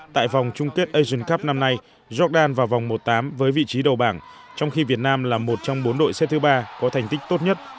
tại vòng chung kết asian cup năm nay jordan vào vòng một tám với vị trí đầu bảng trong khi việt nam là một trong bốn đội xếp thứ ba có thành tích tốt nhất